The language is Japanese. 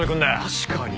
確かに。